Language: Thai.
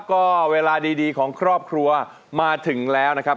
ก็เวลาดีของครอบครัวมาถึงแล้วนะครับ